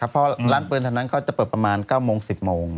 เพราะร้านปืนทางนั้นเขาจะเปิดประมาณ๙โมง๑๐โมง